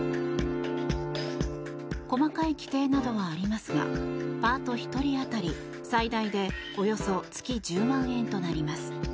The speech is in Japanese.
細かい規定などはありますがパート１人当たり、最大でおよそ月１０万円となります。